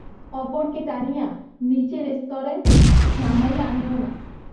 অপরকে টানিয়া নিজের স্তরে নামাইয়া আনিও না।